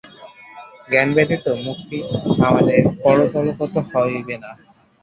জ্ঞান ব্যতীত মুক্তি আমাদের করতলগত হইবে না।